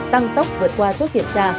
tăng tốc vượt qua chốt kiểm tra